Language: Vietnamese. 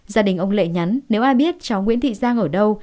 gia đình ông lệ nhắn nếu ai biết cháu nguyễn thị giang ở đâu